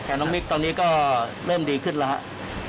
ประการน้องมิคตอนนี้ก็เริ่มดีขึ้นแล้ว